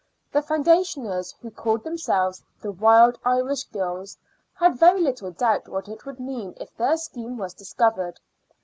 The foundationers who called themselves the Wild Irish Girls had very little doubt what it would mean if their scheme was discovered.